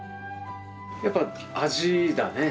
やっぱ味だね。